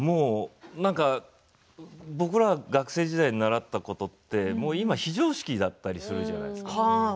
僕ら、学生時代に習ったことって今、非常識だったりするじゃないですか。